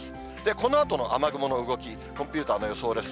このあとの雨雲の動き、コンピューターの予想です。